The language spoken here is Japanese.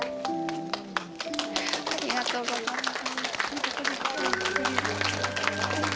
ありがとうございます。